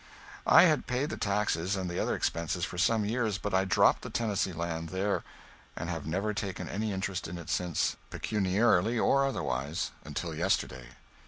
I had paid the taxes and the other expenses for some years, but I dropped the Tennessee land there, and have never taken any interest in it since, pecuniarily or otherwise, until yesterday.